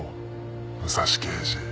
武蔵刑事。